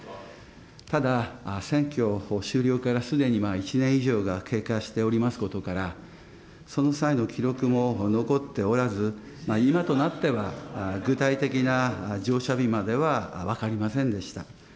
ただ、選挙終了からすでに１年以上が経過しておりますことから、その際の記録も残っておらず、今となっては、具体的な乗車日までは分かりませんでした。